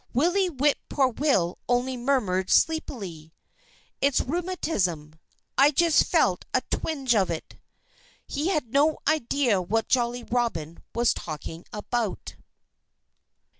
Willie Whip poor will only murmured sleepily: "It's rheumatism. I just felt a twinge of it." He had no idea what Jolly Robin was talking about.